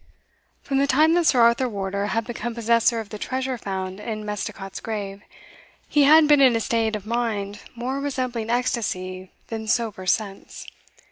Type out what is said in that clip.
From the time that Sir Arthur Wardour had become possessor of the treasure found in Misticot's grave, he had been in a state of mind more resembling ecstasy than sober sense.